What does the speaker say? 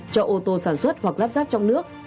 cho ô tô sản xuất hoặc lắp ráp trong nước